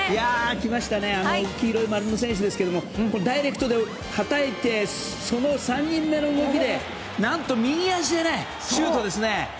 きましたね黄色い丸の選手ですけどダイレクトではたいてその３人目の動きで何と、右足でシュートです。